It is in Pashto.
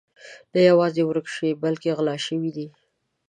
نه یوازې ورک شوي بلکې غلا شوي دي.